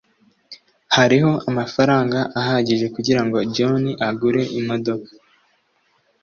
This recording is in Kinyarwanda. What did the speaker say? Hariho amafaranga ahagije kugirango John agure imodoka.